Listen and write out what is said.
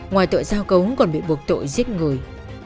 ngoài tội giao cấu còn bị buộc tội giết người